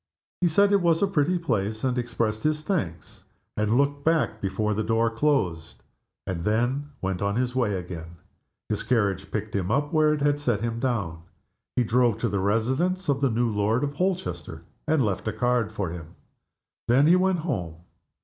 He said it was a pretty place, and expressed his thanks, and looked back before the door closed, and then went his way again. His carriage picked him up where it had set him down. He drove to the residence of the new Lord Holchester, and left a card for him. Then he went home.